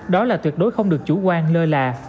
đó là tuyệt đối không được chủ quan lơ là